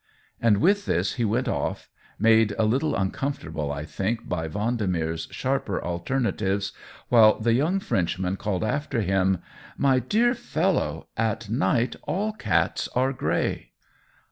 And with this he went off, made a little un comfortable, I think, by Vendemer's sharper 122 COLLABORATION alternatives, while the young Frenchman called after him, " My dear fellow, at night all cats are gray